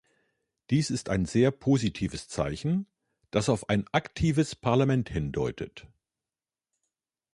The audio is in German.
Dies ist ein sehr positives Zeichen, das auf ein aktives Parlament hindeutet.